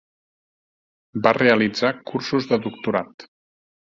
Va realitzar cursos de doctorat.